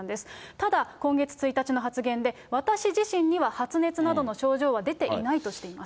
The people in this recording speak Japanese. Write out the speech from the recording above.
ただ今月１日の発言で、私自身には発熱などの症状は出ていないとしています。